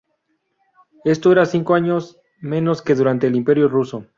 Esto era cinco años menos que durante el Imperio ruso.